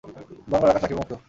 বাংলার আকাশ রাখিব মুক্ত।